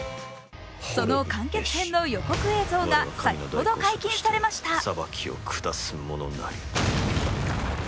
その完結編の予告映像が先ほど解禁されました。